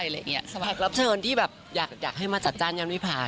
แล้วเชิญที่แบบอยากให้มาจัดจ้านยานวิภา